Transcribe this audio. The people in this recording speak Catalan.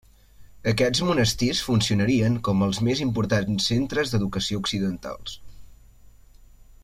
Aquests monestirs funcionarien com els més importants centres d'educació occidentals.